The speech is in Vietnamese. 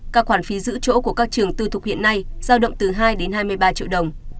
các khoản phí giữ chỗ của các trường tư thục hiện nay giao động từ hai đến hai mươi ba triệu đồng